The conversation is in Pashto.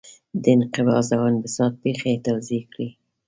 د انقباض او انبساط پېښې توضیح کړئ.